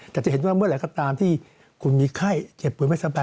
แต่จะเห็นว่าเมื่อไหร่ก็ตามที่คุณมีไข้เจ็บป่วยไม่สบาย